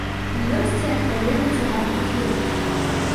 Ёсць і адпаведны загад па фірме.